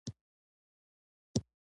مظلوم خپله کیسه هېر کړي.